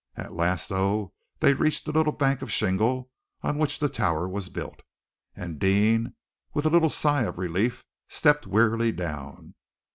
At last, though, they reached the little bank of shingle on which the tower was built, and Deane, with a little sigh of relief, stepped wearily down.